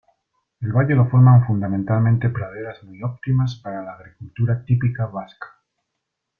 El valle lo forman fundamentalmente praderas muy óptimas para la agricultura típica vasca.